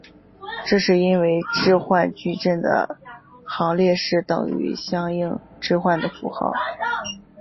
这是因为置换矩阵的行列式等于相应置换的符号。